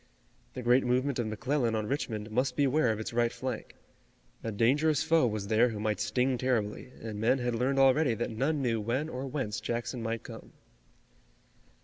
The great movement of McClellan on Richmond must beware of its right flank. A dangerous foe was there who might sting terribly, and men had learned already that none knew when or whence Jackson might come.